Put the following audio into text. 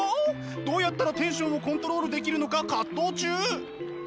どうやったらテンションをコントロールできるのか葛藤中。